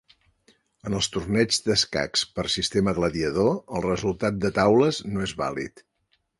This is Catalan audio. En els torneigs d'escacs per sistema gladiador, el resultat de taules no és vàlid.